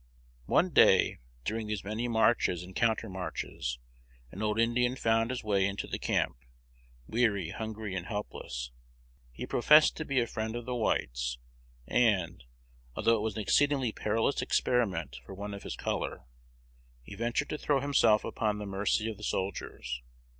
One day, during these many marches and countermarches, an old Indian found his way into the camp, weary, hungry, and helpless. He professed to be a friend of the whites; and, although it was an exceedingly perilous experiment for one of his color, he ventured to throw himself upon the mercy of the soldiers.